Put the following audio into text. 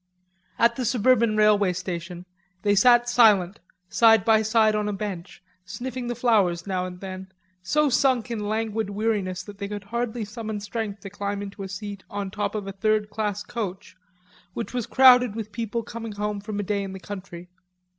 At the suburban railway station, they sat silent, side by side on a bench, sniffing the flowers now and then, so sunk in languid weariness that they could hardly summon strength to climb into a seat on top of a third class coach, which was crowded with people coming home from a day in the country.